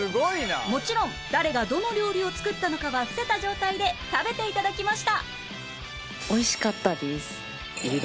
もちろん誰がどの料理を作ったのかは伏せた状態で食べて頂きました